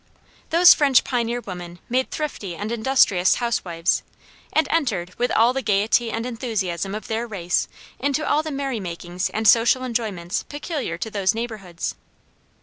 Those French pioneer women made thrifty and industrious housewives, and entered, with all the gaiety and enthusiasm of their race, into all the merry makings and social enjoyments peculiar to those neighborhoods.